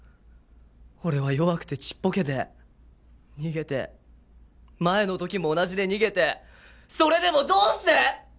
俺は弱くてちっぽけで逃げて前のときも同じで逃げてそれでもどうして！？